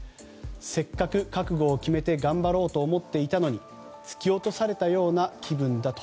せっかく覚悟を決めて頑張ろうと思っていたのに突き落とされたような気分だと。